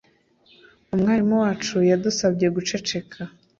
Umwarimu wacu yadusabye guceceka